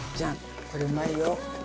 これうまいよ。